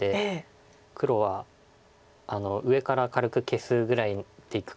黒は上から軽く消すぐらいでいくか。